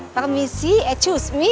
permisi eh cus mi